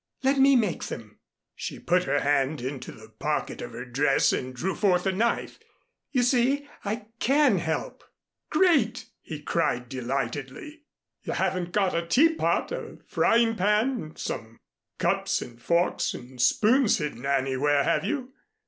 "Let me make them;" she put her hand into the pocket of her dress and drew forth a knife. "You see I can help." "Great!" he cried delightedly. "You haven't got a teapot, a frying pan, some cups and forks and spoons hidden anywhere have you?"